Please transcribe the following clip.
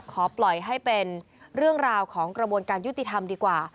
ขอให้ปล่อยให้เป็นเรื่องราวของกระบวนการยุติธรรมดีกว่า